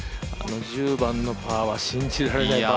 １０番のパーは信じられないパーでしたね。